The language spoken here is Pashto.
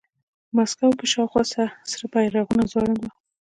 په مسکو کې شاوخوا سره بیرغونه ځوړند وو